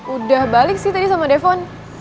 udah balik sih tadi sama defon